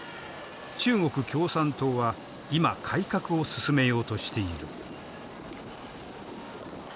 中国共産党は今改革を進めようとしている。